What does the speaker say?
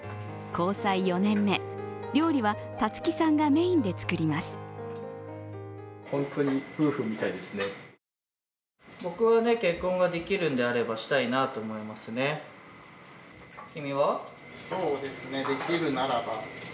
交際４年目、料理はたつきさんがメインで作ります。